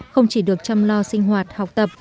không chỉ được chăm lo sinh hoạt học tập